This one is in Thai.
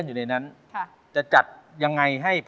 อยากแต่งานกับเธออยากแต่งานกับเธอ